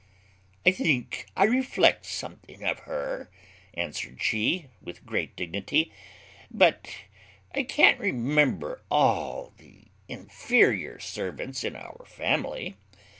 "I think I reflect something of her," answered she, with great dignity, "but I can't remember all the inferior servants in our family."